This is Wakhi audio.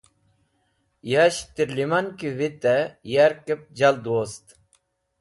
Yashtẽv tẽrlẽman ki vitẽ yarkẽb jald wost.